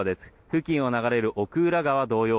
付近を流れる奥浦川同様